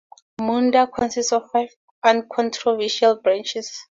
Munda consists of five uncontroversial branches.